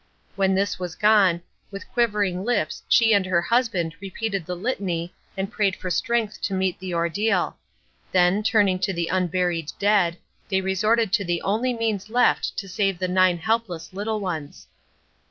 When this was gone, with quivering lips she and her husband repeated the litany and prayed for strength to meet the ordeal, then, turning to the unburied dead, they resorted to the only means left to save the nine helpless little ones.